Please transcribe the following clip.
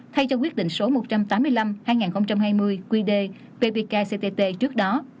nói cho quyết định số một trăm tám mươi năm hai nghìn hai mươi qd bbk ctt trước đó